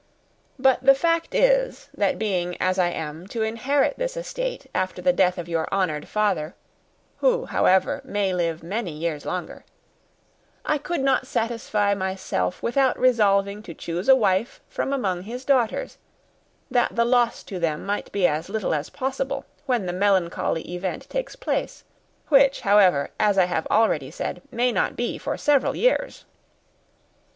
But the fact is, that being, as I am, to inherit this estate after the death of your honoured father (who, however, may live many years longer), I could not satisfy myself without resolving to choose a wife from among his daughters, that the loss to them might be as little as possible when the melancholy event takes place which, however, as I have already said, may not be for several years.